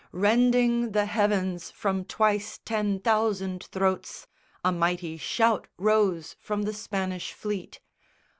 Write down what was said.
Rending the heavens from twice ten thousand throats A mighty shout rose from the Spanish Fleet.